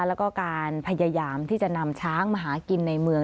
แล้วก็การพยายามที่จะนำช้างมาหากินในเมือง